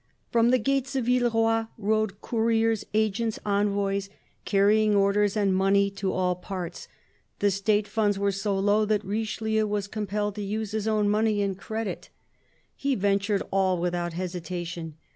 From the gates of Villeroy rode couriers, agents, envoys, carrying orders and money to all parts. The State funds were so low that Richelieu was compelled to use his own money and credit : he ventured all without hesitation.